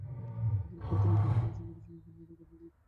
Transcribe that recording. আমিই কি একমাত্র এখানে যে আশা করেছিলাম কোন মাদক কারবারির বাড়ি দেখতে পাবো?